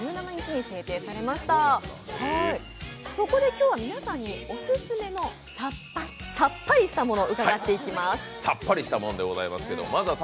今日は皆さんにオススメのさっぱりしたものを伺っていきます。